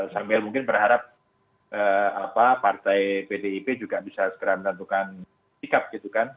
sambil mungkin berharap partai pdip juga bisa segera menentukan sikap gitu kan